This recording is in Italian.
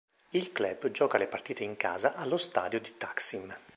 Il club gioca le partite in casa allo Stadio di Taksim.